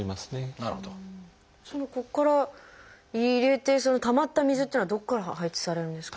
ここから入れてそのたまった水っていうのはどこから排出されるんですか？